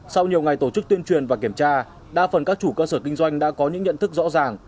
sau nhiều ngày tổ chức tuyên truyền và kiểm tra đa phần các chủ cơ sở kinh doanh đã có những nhận thức rõ ràng